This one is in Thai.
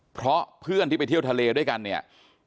เพราะเพื่อนที่ไปเที่ยวทะเลด้วยกันเนี่ย